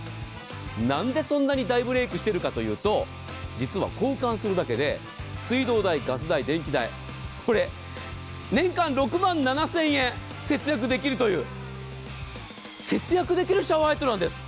なんで、そんなに大ブレークしているかというと実は、交換するだけで水道代、ガス代、電気代これ、年間６万７０００円節約できるという節約できるシャワーヘッドなんです。